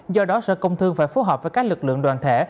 do đó sở công thương phải phối hợp với các lực lượng đoàn thể